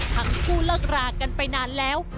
ทั้งคู่เลิกรากันไปนานแล้ว